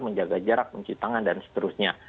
menjaga jarak mencuci tangan dan seterusnya